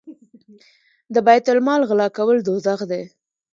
د بیت المال غلا کول دوزخ دی.